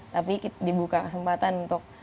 tapi dibuka kesempatan untuk